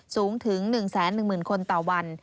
สูงถึง๑แสน๑หมื่นคนต่อวัน